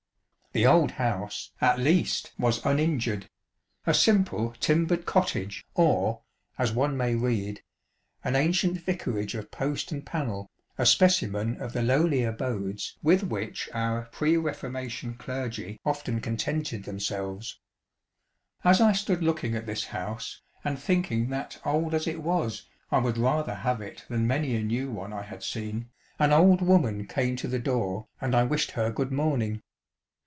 The old house, at least, was uninjured ŌĆö a simple timbered cottage, or, as one may read, "an ancient vicarage of post and panel, a specimen of the lowly abodes with which our pre Reformation clergy often contented themselves." As I stood looking at this house, and thinking that old as it was I would rather have it ' than many a new one I had seen, an old woman came to the door and I wished her good morning.